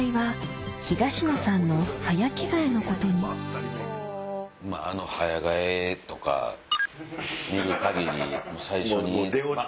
ここであの早替えとか見る限り最初にバン！